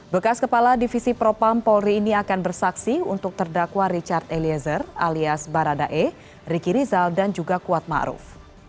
bekas kepala divisi propam polri ini akan bersaksi untuk terdakwa richard eliezer alias baradae riki rizal dan juga kuat ⁇ maruf ⁇